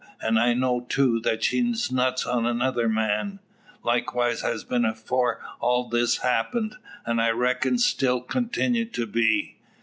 An' I know, too, that she's nuts on another man leastwise has been afore all this happened, and I reck'n still continue to be.